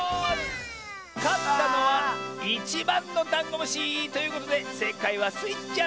かったのは１ばんのダンゴムシということでせいかいはスイちゃん！